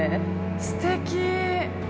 ◆すてき。